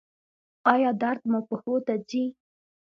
ایا درد مو پښو ته ځي؟